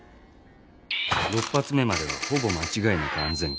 ６発目まではほぼ間違いなく安全圏。